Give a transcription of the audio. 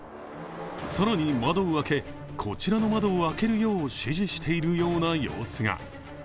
更に窓を開け、こちらの窓を開けるよう指示しているような様子が。